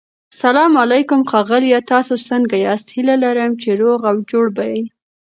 سلام علیکم ښاغلیه تاسو سنګه یاست هيله لرم چی روغ او جوړ به يي